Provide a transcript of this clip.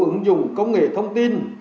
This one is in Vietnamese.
ứng dụng công nghệ thông tin